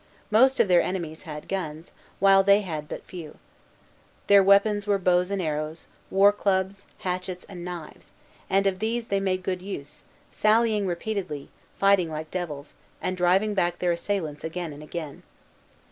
Most of their enemies had guns, while they had but few. Their weapons were bows and arrows, war clubs, hatchets, and knives; and of these they made good use, sallying repeatedly, fighting like devils, and driving back their assailants again and again.